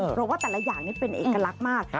เพราะว่าแต่ละอย่างนี้เป็นเอกลักษณ์มาก